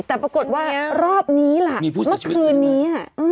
แต่ปรากฏว่ารอบนี้ล่ะเมื่อคืนนี้